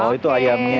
oh itu ayamnya